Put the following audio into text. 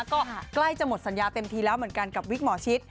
ก็ใกล้จะหมดสรรยาเพ็วกับวิตงศ์หมอชิด